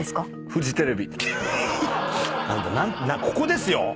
ここですよ